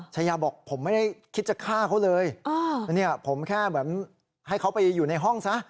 ชายาบอกผมไม่ได้คิดจะฆ่าเขาเลยผมแค่แบบให้เขาไปอยู่ในห้องซะ